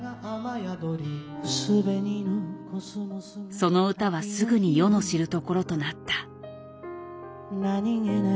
その歌はすぐに世の知るところとなった。